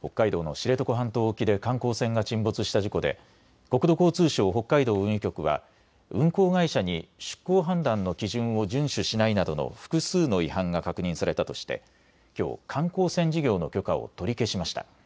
北海道の知床半島沖で観光船が沈没した事故で国土交通省北海道運輸局は運航会社に出航判断の基準を順守しないなどの複数の違反が確認されたとしてきょう、観光船事業の許可を取り消しました。